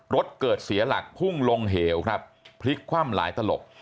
รถเกิดเสียหลักพุ่งลงเหวครับพลิกคว่ำหลายตลบ